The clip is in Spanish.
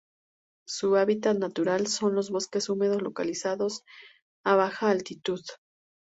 Su hábitat natural son los bosques húmedos localizados a baja altitud.